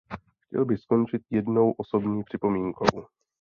Chtěl bych skončit jednou osobní připomínkou.